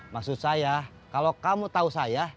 maksud saya kalau kamu tahu saya